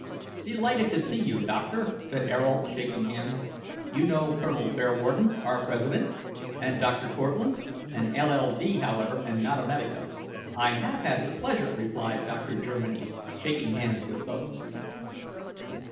"Delighted to see you, doctor," said Ayrault, shaking hands. "You know Col. Bearwarden, our President, and Dr. Cortlandt an LL. D., however, and not a medico." "I have had the pleasure," replied Dr. Germiny, shaking hands with both.